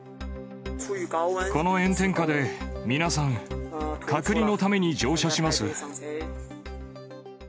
この炎天下で、皆さん、隔離のために乗車します。